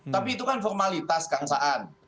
tapi itu kan formalitas kang saan